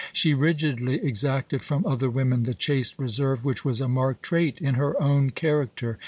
She rigidly exacted from other women the chaste reserve which was a marked trait in her own character.